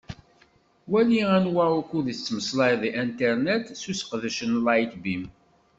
Wali anwa ukud i tettmeslayeḍ di Internet s useqdec n Lightbeam.